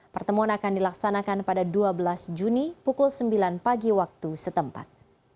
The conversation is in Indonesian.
pertemuan akan dilaksanakan pada dua belas juni pukul sembilan pagi waktu setempat